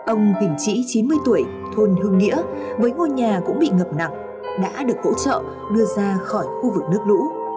ông bình trĩ chín mươi tuổi thôn hưng nghĩa với ngôi nhà cũng bị ngập nặng đã được hỗ trợ đưa ra khỏi khu vực nước lũ